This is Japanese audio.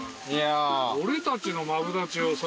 俺たちのマブダチをさ。